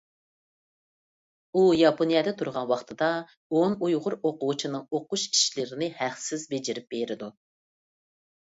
ئۇ ياپونىيەدە تۇرغان ۋاقتىدا ئون ئۇيغۇر ئوقۇغۇچىنىڭ ئوقۇش ئىشلىرىنى ھەقسىز بېجىرىپ بېرىدۇ.